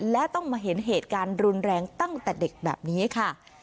และต้องมาเห็นเหตุการณ์รุนแรงตั้งแต่เด็กแบบนี้ค่ะ